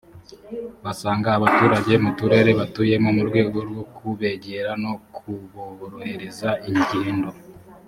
basanga abaturage mu turere batuyemo mu rwego rwo kubegera no kuborohereza ingendo